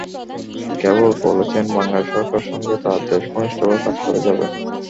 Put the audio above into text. কেবল বলেছেন, বাংলাদেশ সরকারের সঙ্গে তাঁর দেশ ঘনিষ্ঠভাবে কাজ করে যাবে।